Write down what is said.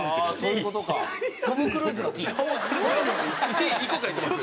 「Ｔ」２個書いてますよ。